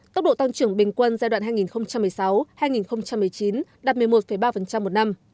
tốc độ tăng trưởng bình quân giai đoạn hai nghìn một mươi sáu hai nghìn một mươi chín đạt một mươi một ba một năm